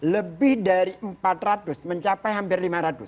lebih dari empat ratus mencapai hampir lima ratus